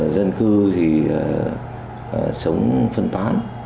dân cư thì sống phân tán